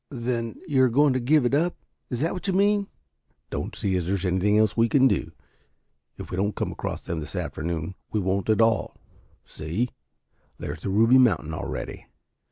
"Then you are going to give it up? Is that what you mean?" "Don't see as there is anything else we can do. If we don't come across them this afternoon, we won't at all. See, there's the Ruby Mountain already."